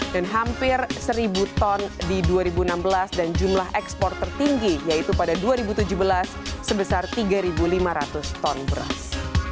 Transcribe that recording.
dan hampir satu ton di dua ribu enam belas dan jumlah ekspor tertinggi yaitu pada dua ribu tujuh belas sebesar tiga lima ratus ton beras